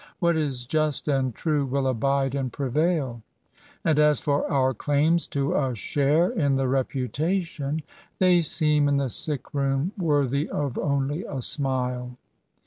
What is just and true will abide and prevail ; and as for our claims to a share in the reputation, they seem in the sick room worthy of only a smile.